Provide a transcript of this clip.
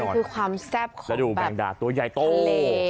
มันคือความแซ่บของแบบทะเล